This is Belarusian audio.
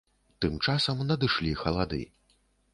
Тым часам надышлі халады.